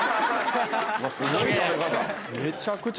うわすごい食べ方。